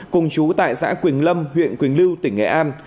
cùng chú tại xã quỳnh lâm huyện quỳnh lưu tỉnh nghệ an